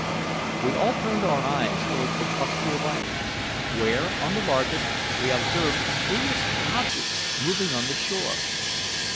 We all turned our eyes towards the cluster of islands, where, on the largest, we observed curious objects moving on the shore.